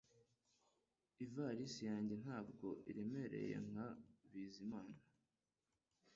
Ivalisi yanjye ntabwo iremereye nka Bizimana